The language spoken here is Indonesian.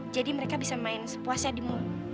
jadi mereka bisa main sepuasnya di mall